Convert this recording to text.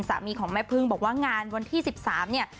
สามีของแม่พึ่งบอกว่างานวันที่๑๓เนี่ย